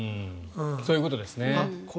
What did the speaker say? そういうことですね。